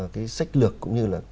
cái sách lược cũng như là